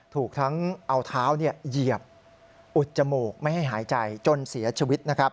ถูกทั้งเอาเท้าเหยียบอุดจมูกไม่ให้หายใจจนเสียชีวิตนะครับ